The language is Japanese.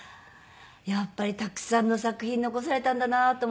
やっぱりたくさんの作品残されたんだなと思って。